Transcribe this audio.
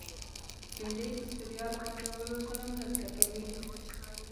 بېنډۍ د ستړیا له منځه وړلو سره مرسته کوي